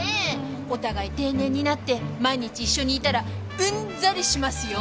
お互い定年になって毎日一緒にいたらうんざりしますよ！